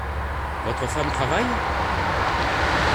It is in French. Votre femme travaille ?